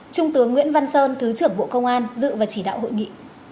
trung tướng nguyễn văn sơn thứ trưởng bộ công an dự và chỉ đạo hội nghị